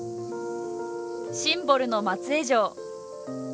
シンボルの松江城。